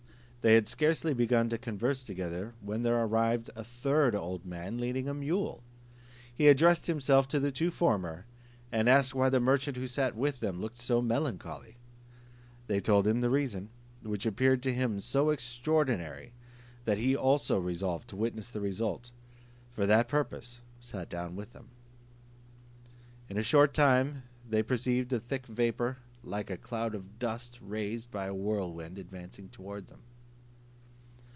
They had scarcely begun to converse together, when there arrived a third old man leading a mule. He addressed himself to the two former, and asked why the merchant who sat with them looked so melancholy? They told him the reason, which appeared to him so extraordinary, that he also resolved to witness the result; and for that purpose sat down with them. In a short time they perceived a thick vapour, like a cloud of dust raised by a whirlwind, advancing towards them.